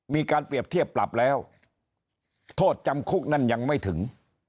มีการเปรียบเทียบปรับแล้วโทษจำคุกนั้นยังไม่ถึง